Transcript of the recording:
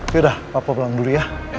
yaudah papa pulang dulu ya